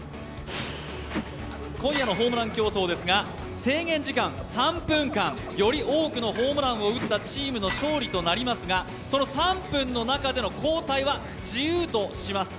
今夜のホームラン競争ですが、制限時間３分間、より多くのホームランを打ったチームの勝利となりますがその３分の中での交代は自由とします。